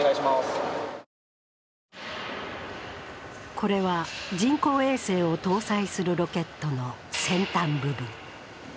これは人工衛星を搭載するロケットの先端部分。